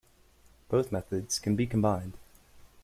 Both methods can be combined.